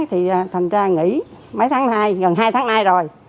thì thành ra nghỉ mấy tháng hai gần hai tháng nay rồi